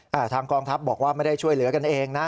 ทางกองทัพบอกว่าไม่ได้ช่วยเหลือกันเองนะ